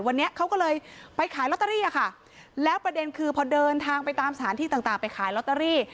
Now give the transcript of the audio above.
วันนี้เขาก็เลยไปขายลอตเตอรี่อะค่ะแล้วประเด็นคือพอเดินทางไปตามสถานที่ต่างไปขายลอตเตอรี่